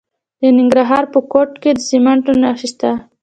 د ننګرهار په کوټ کې د سمنټو مواد شته.